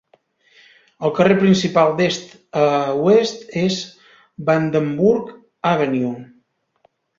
El carrer principal d'est a oest és Vanderburg Avenue.